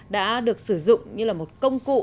đã được sử dụng như là một công cụ